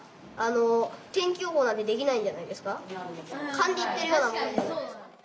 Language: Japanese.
かんで言ってるようなもので。